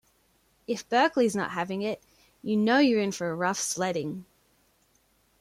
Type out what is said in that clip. If Berkeley's not having it, you know you're in for rough sledding.